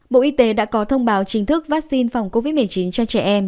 bộ y tế đã có thông báo chính thức vaccine phòng covid một mươi chín cho trẻ em